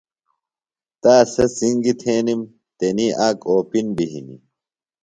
تا سےۡ څِنگیۡ تھینِم۔ تنی آک اوپِن بیۡ ہِنیۡ۔